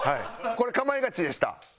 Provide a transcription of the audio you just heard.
これ『かまいガチ』でした。